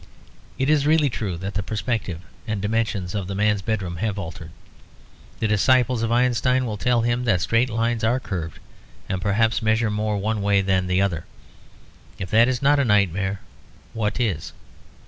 It is really true that the perspective and dimensions of the man's bedroom have altered; the disciples of Einstein will tell him that straight lines are curved and perhaps measure more one way than the other; if that is not a nightmare, what is?